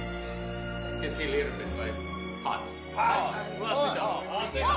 うわ付いた。